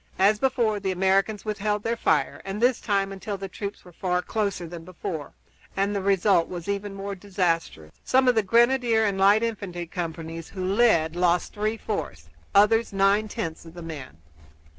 As before the Americans withheld their fire, and this time until the troops were far closer than before, and the result was even more disastrous. Some of the grenadier and light infantry companies who led lost three fourths, others nine tenths of their men.